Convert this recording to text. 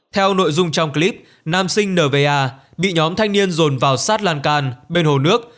theo nội dung trong clip nam sinh nva bị nhóm thanh niên dồn vào sát lan can bên hồ nước